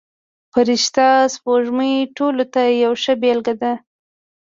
فرشته سپوږمۍ ټولو ته یوه ښه بېلګه ده.